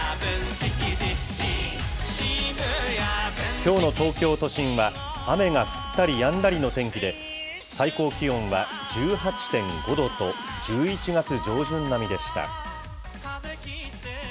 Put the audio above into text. きょうの東京都心は、雨が降ったりやんだりの天気で、最高気温は１８．５度と、１１月上旬並みでした。